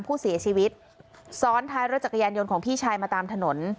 ผู้เสียชีวิตซ้อนท้ายรถจักรยานยนต์ของพี่ชายมาตามถนน